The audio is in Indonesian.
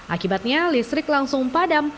akibatnya listrik langsung padam